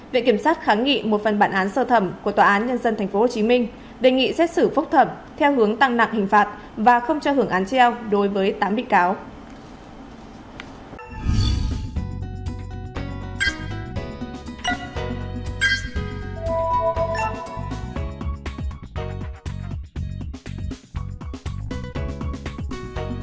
viện kiểm sát kháng nghị một phần bản án sơ thẩm của tòa án nhân dân tp hcm đề nghị xét xử phúc thẩm theo hướng tăng nặng hình phạt và không cho hưởng án treo đối với tám bị cáo